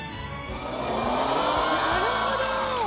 なるほど！